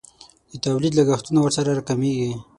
د تولید لګښتونه ورسره راکمیږي.